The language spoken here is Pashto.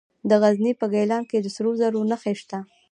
د غزني په ګیلان کې د سرو زرو نښې شته.